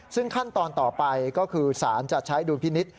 ซึ่งขั้นตอนต่อไปก็คือสารจะใช้ดุลพินิษฐ์